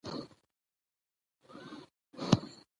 ځکه په دې سيمه کې اوبه ډېر وې.